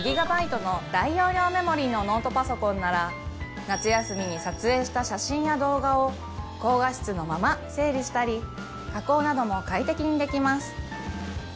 のノートパソコンなら夏休みに撮影した写真や動画を高画質のまま整理したり加工なども快適にできます